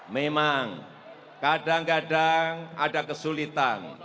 memang kadang kadang ada kesulitan